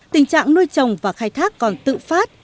tình trạng nuôi trồng và khai thác còn tự phát